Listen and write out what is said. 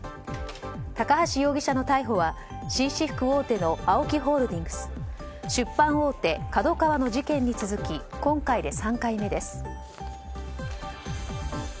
高橋容疑者の逮捕は紳士服大手のＡＯＫＩホールディングス出版大手ＫＡＤＯＫＡＷＡの事件に続き今回で３回目です。